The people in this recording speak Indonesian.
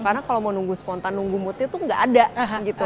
karena kalau mau nunggu spontan nunggu muti tuh gak ada gitu